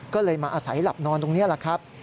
ก็เลยมาอาศัยหลับนอนตรงนี้แหละครับ